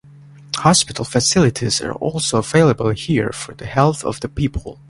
Hospital facilities are also available here for the health of the people.